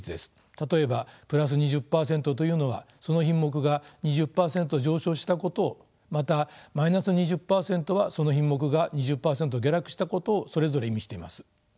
例えばプラス２０％というのはその品目が２０％上昇したことをまたマイナス２０％はその品目が２０％下落したことをそれぞれ意味しています。